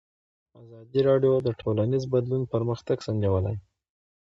ازادي راډیو د ټولنیز بدلون پرمختګ سنجولی.